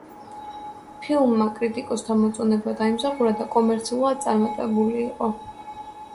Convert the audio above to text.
ფილმმა კრიტიკოსთა მოწონება დაიმსახურა და კომერციულად წარმატებული იყო.